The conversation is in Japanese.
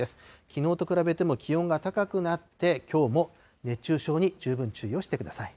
きのうと比べても気温が高くなって、きょうも熱中症に十分注意をしてください。